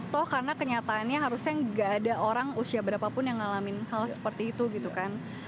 toh karena kenyataannya harusnya gak ada orang usia berapapun yang ngalamin hal seperti itu gitu kan